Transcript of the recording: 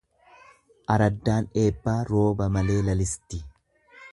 Araddaan eebbaa rooba malee lalisti.